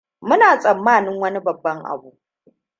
Muna tsammanin wani babban abu.